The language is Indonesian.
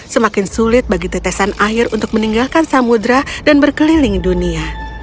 semakin sulit bagi tetesan air untuk meninggalkan samudera dan berkeliling dunia